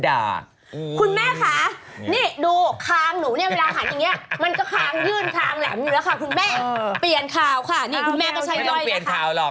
เดี๋ยวอีกหนึ่งอัน